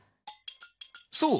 そう。